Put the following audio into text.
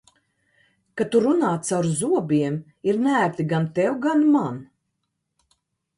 Kad tu runā caur zobiem, ir neērti gan tev, gan man.